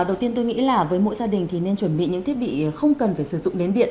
đầu tiên tôi nghĩ là với mỗi gia đình thì nên chuẩn bị những thiết bị không cần phải sử dụng đến điện